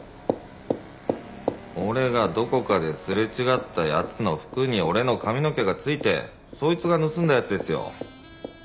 俺がどこかですれ違った奴の服に俺の髪の毛が付いてそいつが盗んだ奴ですよ。